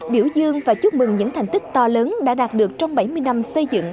biểu dương và chúc mừng những thành tích to lớn đã đạt được trong bảy mươi năm xây dựng